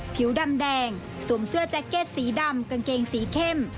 ผิวดำแดงสวมเสื้อแจ็คเก็ตสีดำกางเกงสีเข้ม